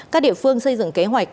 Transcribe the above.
các địa phương xây dựng kế hoạch